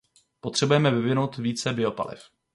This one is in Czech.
Potřebujeme vyvinout více biopaliv.